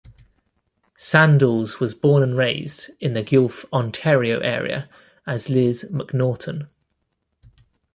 Sandals was born and raised in the Guelph, Ontario area as Liz MacNaughton.